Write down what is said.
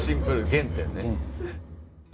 原点ね。